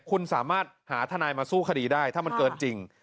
คุณสามารถหาทนายมาสู้คดีได้ถ้ามันเกินจริง